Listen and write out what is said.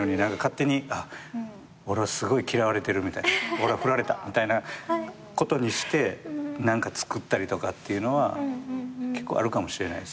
俺は振られたみたいなことにして何か作ったりとかっていうのは結構あるかもしれないですね。